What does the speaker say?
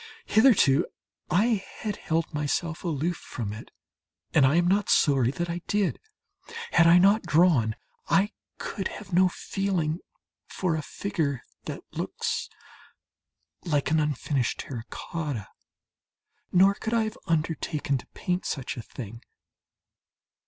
Hitherto I had held myself aloof from it, and I am not sorry that I did. Had I not drawn, I could have no feeling for a figure that looks like an unfinished terracotta, nor could I have undertaken to paint such a thing.